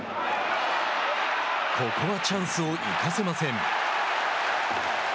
ここはチャンスを生かせません。